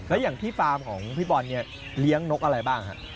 แล้วอย่างที่ฟาร์มของพี่บอลเนี่ยเลี้ยงนกอะไรบ้างฮะ